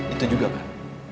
itu juga kan